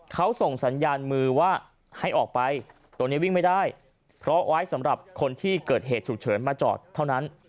เขาส่งสัญญาณมือว่าให้ออกไปตัวนี้วิ่งไม่ได้เพราะไว้สำหรับคนที่เกิดเหตุฉุกเฉินมาจอดเท่านั้น